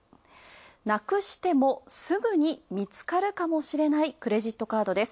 なくしてもすぐに見つかるかもしれないクレジットカードです。